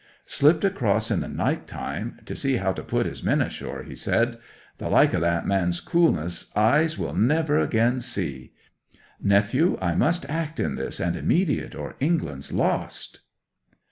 "Slipped across in the night time to see how to put his men ashore," he said. "The like o' that man's coolness eyes will never again see! Nephew, I must act in this, and immediate, or England's lost!"